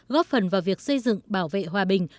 góp phần vào việc xây dựng bảo vệ hòa bình